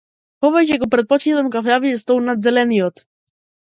Повеќе го претпочитам кафеавиот стол над зелениот.